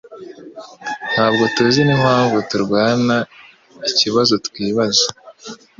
Ntabwo tuzi n'impamvu turwana ikibazo twibaza